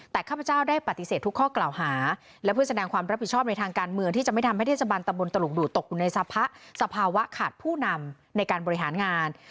แต่ข้าพเจ้าได้ปฏิเสธทุกข้อกล่าวหาและเพื่อแสดงความรับผิดชอบในทางการเมืองที่จะไม่ทำให้เทศบาลตำบลตลุกดูดตกอยู่ในสภาวะขาดผู้นำในการบริหารงาน